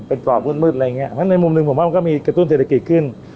เป็นกรอบมืดอะไรอย่างเงี้เพราะฉะนั้นในมุมหนึ่งผมว่ามันก็มีกระตุ้นเศรษฐกิจขึ้น